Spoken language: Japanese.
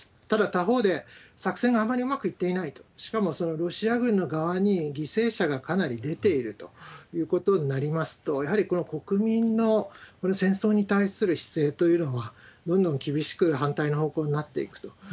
ただ、他方で作戦があまりうまくいっていないと、しかもそのロシア軍の側に犠牲者がかなり出ているということになりますと、やはり国民のこの戦争に対する姿勢というのは、どんどん厳しく反対の方向になっていくと。